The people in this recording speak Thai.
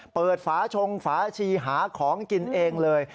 ฝาชงฝาชีหาของกินเองเลย